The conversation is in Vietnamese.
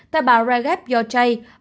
tại bà jaref yotray nói